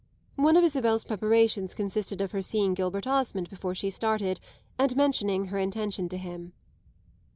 One of Isabel's preparations consisted of her seeing Gilbert Osmond before she started and mentioning her intention to him.